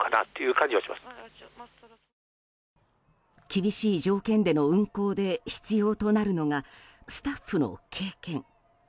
厳しい条件での運航で必要となるのがスタッフの経験。